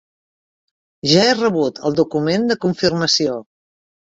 Ja he rebut el document de confirmació.